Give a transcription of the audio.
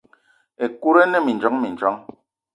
Ekut ine mindjong mindjong.